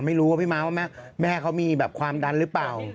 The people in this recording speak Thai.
ไม่รู้ว่าพี่ม้าว่าแม่เขามีแบบความดันหรือเปล่า